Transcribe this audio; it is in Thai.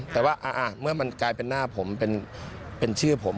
แต่ว่าเมื่อมันกลายเป็นหน้าผมเป็นชื่อผม